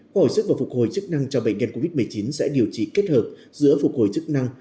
khoa hồi sức và phục hồi chức năng cho bệnh nhân covid một mươi chín sẽ điều trị kết hợp giữa phục hồi chức năng